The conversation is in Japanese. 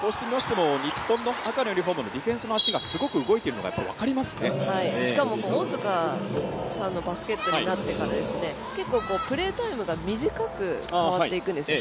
日本の赤のユニフォームのディフェンスの足がすごく動いているのが恩塚さんのバスケットになってから結構、プレータイムが短く代わっていくんですね。